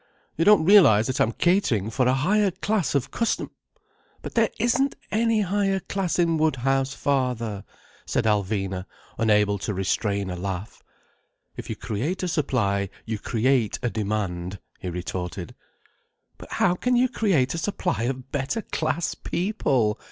"You don't realize that I'm catering for a higher class of custom—" "But there isn't any higher class in Woodhouse, father," said Alvina, unable to restrain a laugh. "If you create a supply you create a demand," he retorted. "But how can you create a supply of better class people?"